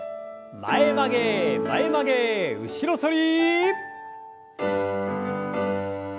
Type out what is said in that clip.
前曲げ前曲げ後ろ反り。